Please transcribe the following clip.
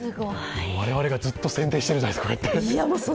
我々がずっと宣伝してるじゃないですか、こうやって。